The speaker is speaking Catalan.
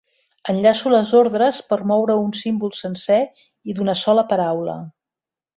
Enllaço les ordres per moure un símbol sencer i d'una sola paraula.